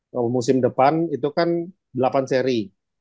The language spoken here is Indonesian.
kalau musim depan itu kan delapan seri